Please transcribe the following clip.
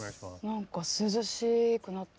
涼しくなった。